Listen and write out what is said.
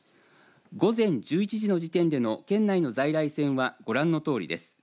午前１１時の時点での県内の在来線はご覧のとおりです。